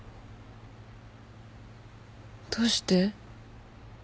どうして？